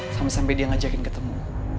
sampai sampai dia ngajakin ketemu